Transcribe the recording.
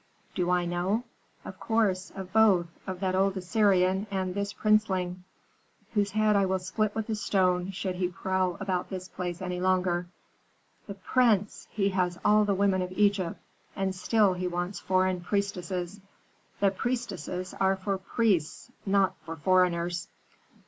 "Do I know? Of course, of both, of that old Assyrian and this princeling, whose head I will split with a stone should he prowl about this place any longer. The prince! he has all the women of Egypt, and still he wants foreign priestesses. The priestesses are for priests, not for foreigners."